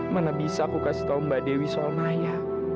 mana bisa aku kasih tau mbak dewi soal maya